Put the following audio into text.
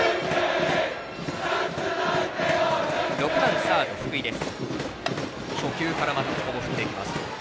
６番サード、福井です。